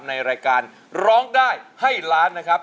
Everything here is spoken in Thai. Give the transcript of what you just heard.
ในรายการร้องได้ให้ล้านนะครับ